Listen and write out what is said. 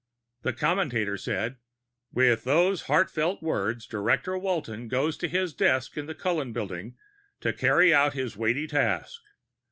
The commentator was saying, "With those heartfelt words, Director Walton goes to his desk in the Cullen Building to carry out his weighty task.